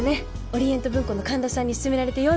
オリエント文庫の神田さんに薦められて読んでみたの。